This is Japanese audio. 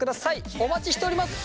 お待ちしております。